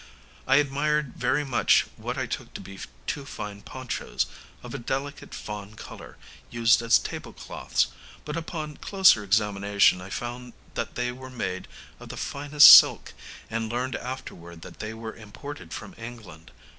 I admired very much what I took to be two fine ponchos, of a delicate fawn colour, used as tablecloths, but upon a closer examination I found that they were made of the finest silk, and learned afterwards that they were imported from England.